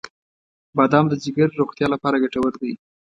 • بادام د جګر روغتیا لپاره ګټور دی.